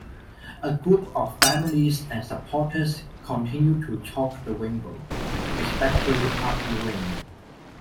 A group of families and supporters continue to chalk the rainbow, especially after rain.